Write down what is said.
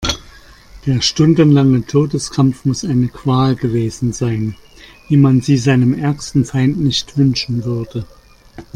Der stundenlange Todeskampf muss eine Qual gewesen sein, wie man sie seinem ärgsten Feind nicht wünschen würde.